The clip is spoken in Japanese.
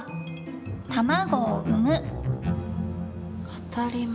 当たり前。